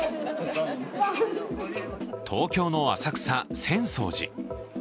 東京の浅草・浅草寺。